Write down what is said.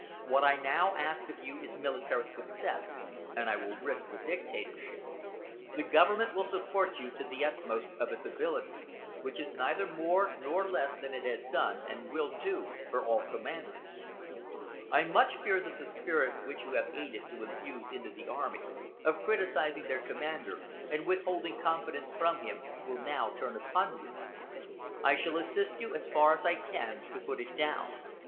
What I now ask of you is military success, and I will risk the dictatorship. The government will support you to the utmost of its ability, which is neither more nor less than it has done and will do for all commanders. I much fear that the spirit which you have aided to infuse into the army, of criticising their commander and withholding confidence from him, will now turn upon you. I shall assist you as far as I can, to put it down.